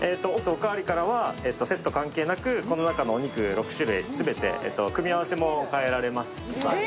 おかわりからはセット関係なく、この中のお肉６種類全て組み合わせも変えられます。